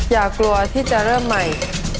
อย่ากลัวที่จะเริ่มใหม่